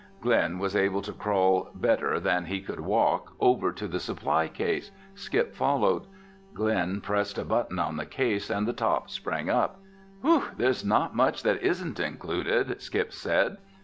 Glen was able to crawl better than he could walk over to the supply case. Skip followed. Glen pressed a button on the case and the top sprang up. "Whew! There's not much that isn't included!" Skip said.